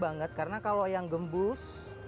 banget karena kalau yang gembus